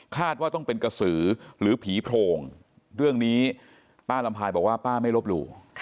ว่าต้องเป็นกระสือหรือผีโพรงเรื่องนี้ป้าลำพายบอกว่าป้าไม่ลบหลู่